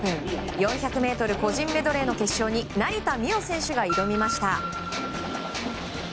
４００ｍ個人メドレーの決勝に成田実生選手が挑みました。